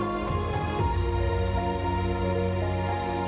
ก็ยังมีปัญหาราคาเข้าเปลือกก็ยังลดต่ำลง